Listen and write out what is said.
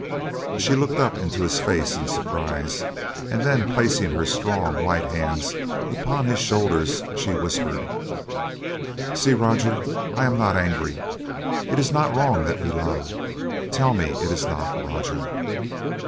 She looked up into his face in surprise, and then placing her strong white hands upon his shoulders, she whispered: "See, Roger, I am not angry. It is not wrong that we love; tell me it is not, Roger."